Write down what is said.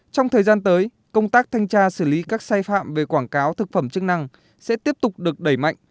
trong thời gian tới công tác thanh tra xử lý các sai phạm về quảng cáo thực phẩm chức năng sẽ tiếp tục được đẩy mạnh